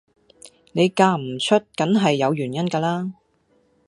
你嫁唔出梗係有原因㗎啦